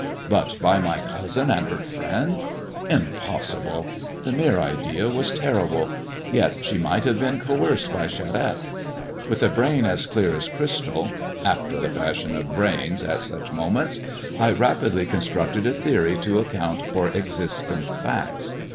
But by my cousin and her friend] Impossible! The mere idea was terrible ; yet she might have been coerced by Charette. With a brain as clear as crystal — after the fashion of brains at such moments — I rapidly constructed a theory to account for existent facts.